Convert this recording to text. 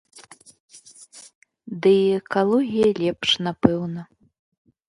Ды і экалогія лепш, напэўна.